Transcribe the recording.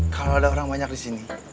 kalau ada orang banyak di sini